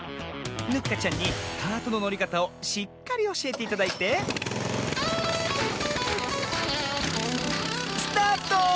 ヌッカちゃんにカートののりかたをしっかりおしえていただいてスタート！